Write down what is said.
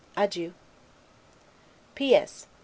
Adieu. P. S.